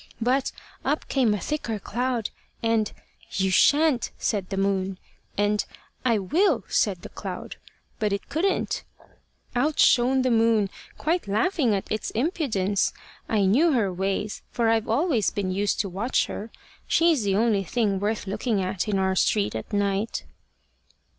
But up came a thicker cloud, and 'You shan't,' said the moon; and 'I will,' said the cloud, but it couldn't: out shone the moon, quite laughing at its impudence. I knew her ways, for I've always been used to watch her. She's the only thing worth looking at in our street at night."